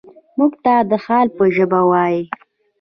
موږ ته د حال په ژبه وايي.